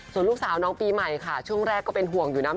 ส่วนลูกสาวน้องปีใหม่ค่ะช่วงแรกก็เป็นห่วงอยู่นะ